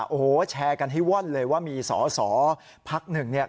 โอ้โหแชร์กันให้ว่อนเลยว่ามีสอสอพักหนึ่งเนี่ย